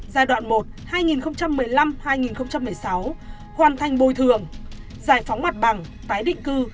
giai đoạn một hai nghìn một mươi năm hai nghìn một mươi sáu hoàn thành bồi thường giải phóng mặt bằng tái định cư